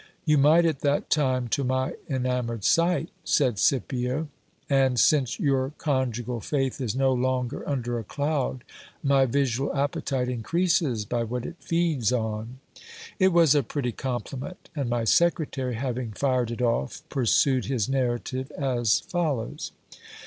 You might at that time, to my enamoured sight, said Scipio ; and, since your conjugal faith is no longer under a cloud, my visual appetite inc reases by what it feeds on. It was a pretty compliment ! and my secretary, having fired it off, pursued his narrative as follows.